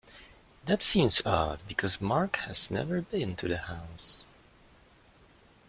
That seems odd because Mark has never been to the house.